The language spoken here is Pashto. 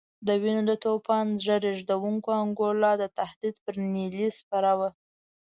د وینو د توپان زړه رېږدونکې انګولا د تهدید پر نیلۍ سپره وه.